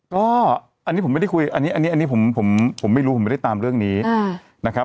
ก็อันนี้ผมไม่ได้คุยอันนี้ผมไม่รู้ผมไม่ได้ตามเรื่องนี้นะครับ